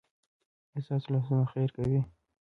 ایا ستاسو لاسونه خیر کوي؟